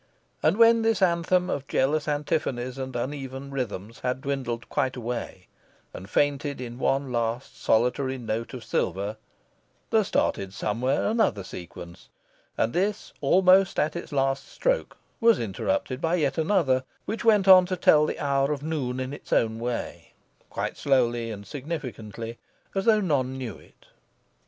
And when this anthem of jealous antiphonies and uneven rhythms had dwindled quite away and fainted in one last solitary note of silver, there started somewhere another sequence; and this, almost at its last stroke, was interrupted by yet another, which went on to tell the hour of noon in its own way, quite slowly and significantly, as though none knew it.